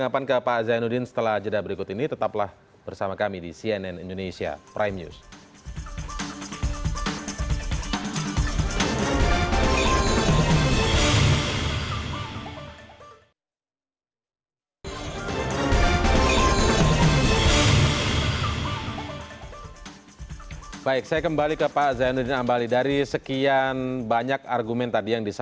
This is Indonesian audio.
partai golkar itu sendiri